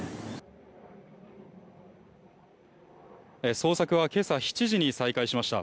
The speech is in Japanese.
捜索は今朝７時に再開しました。